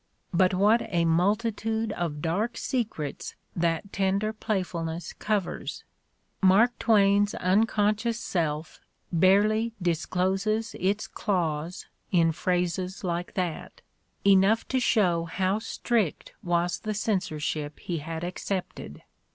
But what a multitude of dark secrets that tender playfulness covers! Mark Twain's unconscious self barely discloses its claws in phrases like that, enough to show how strict was the censorship he had accepted.